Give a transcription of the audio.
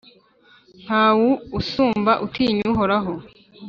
ntawu asumba utinya Uhoraho.